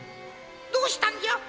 どうしたんじゃ？